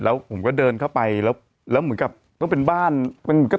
แล้วผมก็เดินเข้าไปแล้วแล้วเหมือนกับต้องเป็นบ้าน